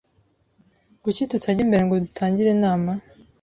Kuki tutajya imbere ngo dutangire inama?